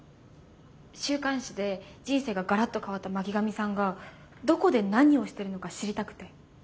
週刊誌で人生がガラッと変わった巻上さんがどこで何をしてるのか知りたくて。